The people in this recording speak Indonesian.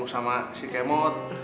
sama si kemot